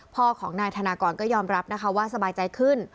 พ่อของนายธนากรก็ยอมรับนะคะว่าสบายใจขึ้น